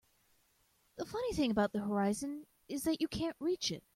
The funny thing about the horizon is that you can't reach it.